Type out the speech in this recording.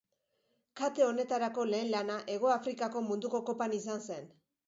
Kate honetarako lehen lana Hegoafrikako Munduko Kopan izan zen.